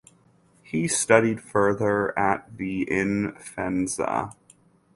He studied further at the in Faenza.